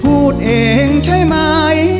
พูดเองใช่มั้ย